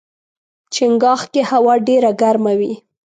چنګاښ کې هوا ډېره ګرمه وي.